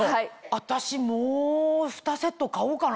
私もうふたセット買おうかな。